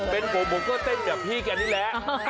เป็นผมผมก็เต้นกับพี่แกนี่แหละ